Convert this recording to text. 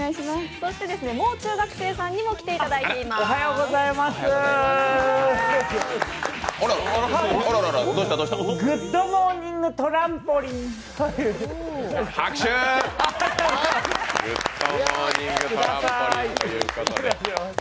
そして、もう中学生さんにも来ていただいています。